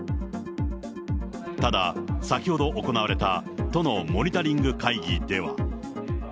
ただ先ほど行われた都のモニタリング会議では。